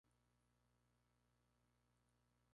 Thrissur fue la capital del reino de Cochín.